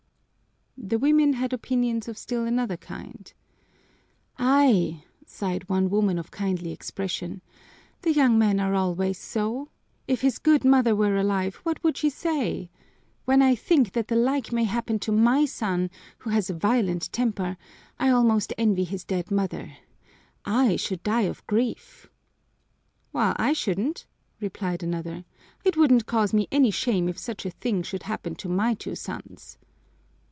The women had opinions of still another kind. "Ay_!_" sighed one woman of kindly expression. "The young men are always so! If his good mother were alive, what would she say? When I think that the like may happen to my son, who has a violent temper, I almost envy his dead mother. I should die of grief!" "Well, I shouldn't," replied another. "It wouldn't cause me any shame if such a thing should happen to my two sons."